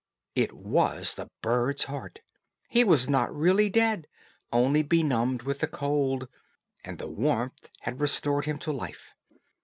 It was the bird's heart; he was not really dead, only benumbed with the cold, and the warmth had restored him to life.